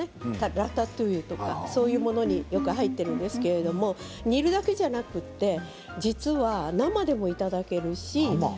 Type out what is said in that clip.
ラタトゥイユとかそういうものによく入っているんですけど煮るだけじゃなくて実は生でもいただけるし。